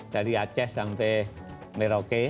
dari aceh sampai merauke